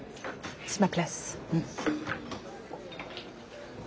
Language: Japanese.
うん。